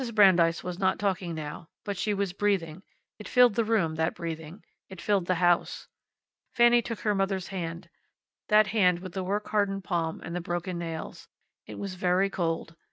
Brandeis was not talking now. But she was breathing. It filled the room, that breathing; it filled the house. Fanny took her mother's hand, that hand with the work hardened palm and the broken nails. It was very cold.